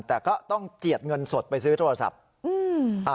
แต่ก็ต้องเจียดเงินสดไปซื้อโทรศัพท์